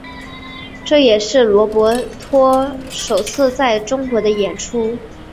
这也是罗伯托首次在中国的演出。